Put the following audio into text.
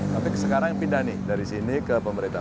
tapi sekarang pindah nih dari sini ke pemerintah